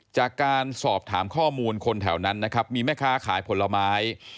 จากการสอบถามข้อมูลคนแถวนั้นนะครับมีแม่ค้าขายผลไม้